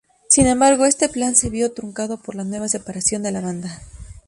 Sin embargo, este plan se vio truncado por la nueva separación de la banda.